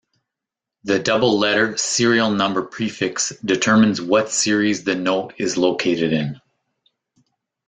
The double letter serial number prefix determines what series the note is located in.